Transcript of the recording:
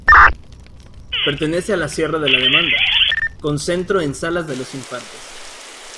Pertenece a la Sierra de la Demanda, con centro en Salas de los Infantes.